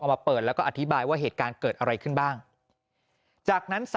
มาเปิดแล้วก็อธิบายว่าเหตุการณ์เกิดอะไรขึ้นบ้างจากนั้น